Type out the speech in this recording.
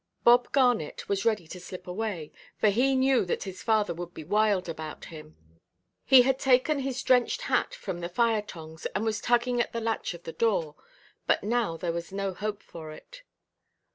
Bob Garnet was ready to slip away, for he knew that his father would be wild about him; he had taken his drenched hat from the firetongs, and was tugging at the latch of the door. But now there was no help for it.